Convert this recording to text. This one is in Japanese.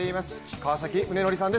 川崎宗則さんです。